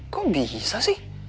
kok bisa sih